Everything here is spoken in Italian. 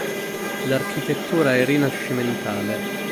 L'architettura è rinascimentale.